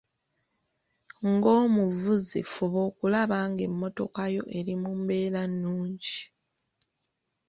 Ng'omuvuzi fuba okulaba ng'emmotoka yo eri mu mbeera nnungi.